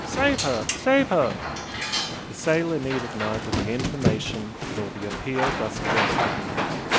Save her! save her!" The sailor needed neither the information nor the appeal thus addressed to him.